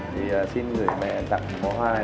thì xin gửi mẹ tặng một bỏ hoa này